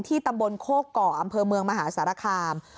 ที่ตำบลโค้ก่อก่อนอำเภอเมืองมหาศาลคาม